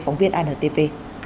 phóng viên antv